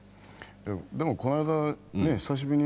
でもこの間ねっ久しぶりに。